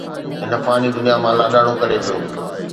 هن فاني دنيا مان لاڏاڻو ڪري ويو.